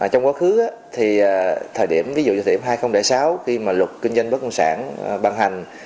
trong quá khứ thời điểm ví dụ thời điểm hai nghìn sáu khi mà luật kinh doanh bất động sản ban hành